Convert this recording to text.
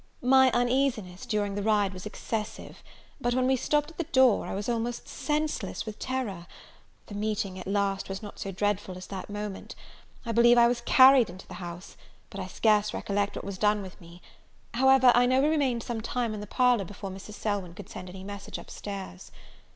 My uneasiness, during the ride, was excessive; but, when we stopped at the door, I was almost senseless with terror! the meeting, at last, was not so dreadful as that moment! I believe I was carried into the house; but I scarce recollect what was done with me: however, I know we remained some time in the parlour before Mrs. Selwyn could send any message up stairs.